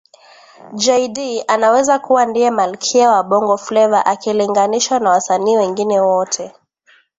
Jay Dee anaweza kuwa ndiye Malkia wa Bongo Fleva akilinganishwa na wasanii wengine wote